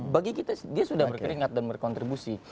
bagi kita dia sudah berkeringat dan berkontribusi